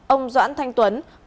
ông doãn thanh tuấn